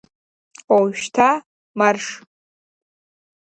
Ожәшьҭа марш!